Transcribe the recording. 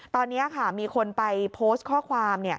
ตอนนี้ค่ะมีคนไปโพสต์ข้อความ